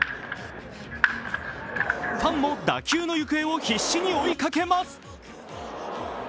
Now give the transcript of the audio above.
ファンも打球の行方を必死に追いかけます。